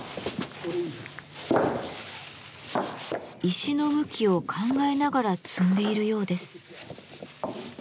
石の向きを考えながら積んでいるようです。